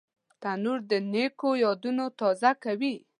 تنور د نیکو یادونه تازه کوي